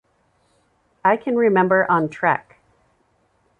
I can remember on Trek.